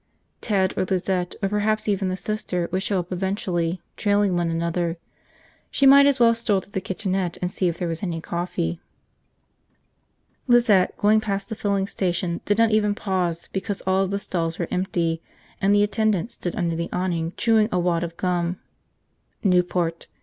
Ted or Lizette or perhaps even the Sister would show up eventually, trailing one another. She might as well stroll to the kitchenette and see if there was any coffee. Lizette, going past the filling station, did not even pause because all of the stalls were empty and the attendant stood under the awning chewing a wad of gum. Newport.